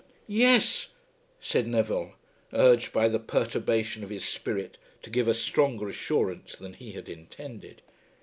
"Yes," said Neville, urged by the perturbation of his spirit to give a stronger assurance than he had intended.